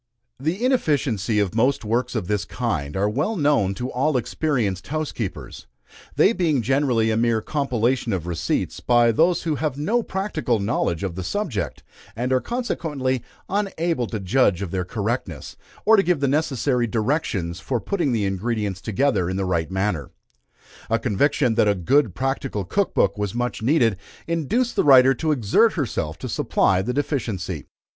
The inefficiency of most works of this kind are well known to all experienced housekeepers, they being generally a mere compilation of receipts, by those who have no practical knowledge of the subject, and are consequently unable to judge of their correctness, or to give the necessary directions for putting the ingredients together in the right manner. A conviction that a good practical Cook Book was much needed, induced the writer to exert herself to supply the deficiency.